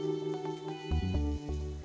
saat ini menurut saya sudah cukup